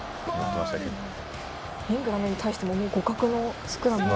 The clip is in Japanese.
イングランドに対しても互角のスクラムを。